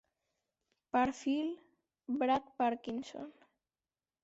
Perfil: Brad Parkinson.